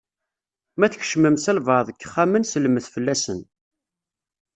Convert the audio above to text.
Ma tkecmem s albaɛḍ n yexxamen, sellmet fell-asen.